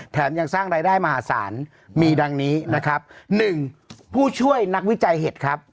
ยังสร้างรายได้มหาศาลมีดังนี้นะครับหนึ่งผู้ช่วยนักวิจัยเห็ดครับ